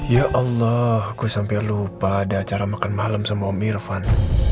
ya allah gue sampai lupa ada acara makan malam sama om irfan